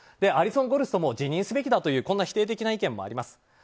アリソン・ゴルストも辞任すべきだという否定的な意見もあります。